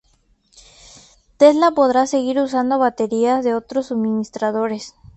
Tesla podrá seguir usando baterías de otros suministradores.